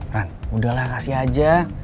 ran udahlah kasih aja